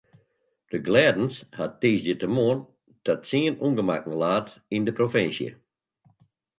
De glêdens hat tiissdeitemoarn ta tsien ûngemakken laat yn de provinsje.